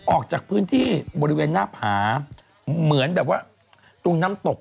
ออกจากพื้นที่บริเวณหน้าผาเหมือนแบบว่าตรงน้ำตก